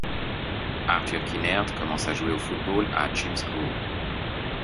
Arthur Kinnaird commence à jouer au football à Cheam School.